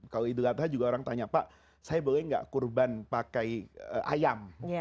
kalau idul adha juga orang tanya pak saya boleh nggak kurban pakai ayam